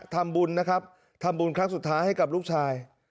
ทำบุญนะครับทำบุญครั้งสุดท้ายให้กับลูกชาย